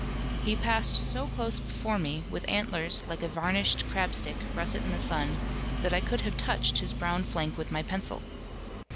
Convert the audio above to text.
He passed so close before me, with antlers, like a varnished crabstick, russet in the sun, that I could have touched his brown flank with my pencil.